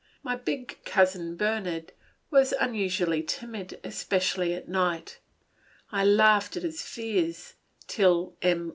My big cousin Bernard was unusually timid, especially at night. I laughed at his fears, till M.